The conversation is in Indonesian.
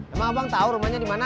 emang abang tahu rumahnya di mana